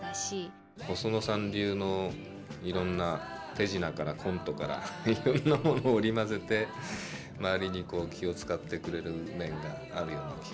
細野さん流のいろんな手品からコントからいろんなものを織り交ぜて周りに気を遣ってくれる面があるような気がしますよね。